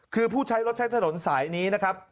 คือผู้ใช้รถใช้ถนนสายนี้นะครับ